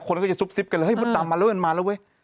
คนก็จะซุปซิปกันตามมาแล้วมันมาแล้วเว้ย